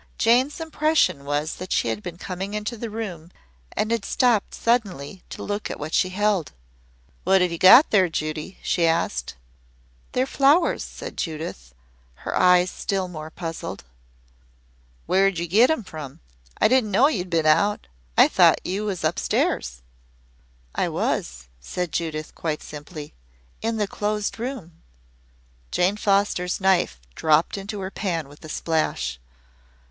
Jane's impression was that she had been coming into the room and had stopped suddenly to look at what she held. "What've you got there, Judy?" she asked. "They're flowers," said Judith, her eyes still more puzzled. "Where'd you get 'em from? I didn't know you'd been out. I thought you was up stairs." "I was," said Judith quite simply. "In the Closed Room." Jane Foster's knife dropped into her pan with a splash.